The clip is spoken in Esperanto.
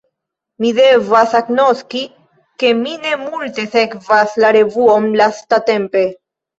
Mi devas agnoski, ke mi ne multe sekvas la revuon lastatempe.